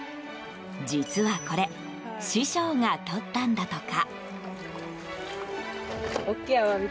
実は、これ師匠がとったんだとか。